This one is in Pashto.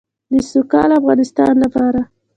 د سوکاله افغانستان لپاره.